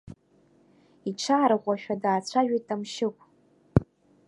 Иҽаарӷәӷәашәа даацәажәеит Ҭамшьыгә.